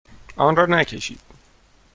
آن را نکشید.